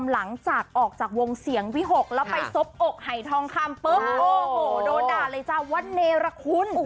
ลังจากออกจากวงเสียงวิหกแล้วไปซบอกหายทองค่ำโดดาลัยวันเนรคุ้น